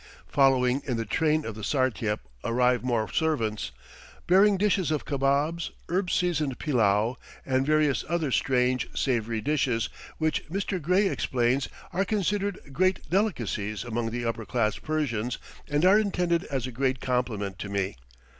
Following in the train of the Sartiep arrive more servants, bearing dishes of kabobs, herb seasoned pillau, and various other strange, savory dishes, which, Mr. Gray explains, are considered great delicacies among the upper class Persians and are intended as a great compliment to me.